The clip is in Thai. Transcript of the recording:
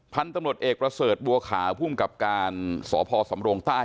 พันธุ์ตำรวจเอกประเสริฐบัวขาว่ามกรรมสอพสำโลงใต้บอกว่า